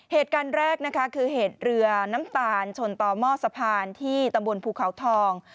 เหตุการณ์แรกนะคะคือเหตุเรือน้ำตาลชนต่อหม้อสะพานที่ตำบลภูเขาทอง